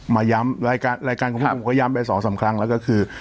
มาย้ำรายการรายการของพวกผมก็ย้ำไปสองสามครั้งแล้วก็คือ